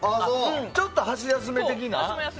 ちょっと箸休め的な。